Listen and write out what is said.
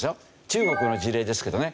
中国の事例ですけどね